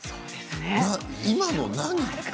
今の何？